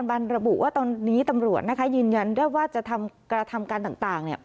การตำรวจนครบันระบุว่าตอนนี้ตำรวจนะคะยืนยันได้ว่าจะทำการทำการต่างต่างเนี่ย